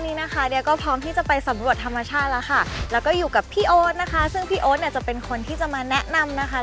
มีเอวากิกเราก็เอามาปรับใช้โดยการเอาต้นไม้ในพื้นถิ่นของประเทศธรรมและเอง